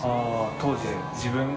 当時自分が。